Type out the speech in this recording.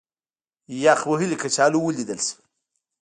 یخ وهلي کچالو ولیدل شول.